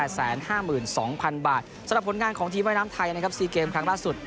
สำหรับผลงานของทีมว่ายน้ำไทยนะครับ๔เกมครั้งล่าสุด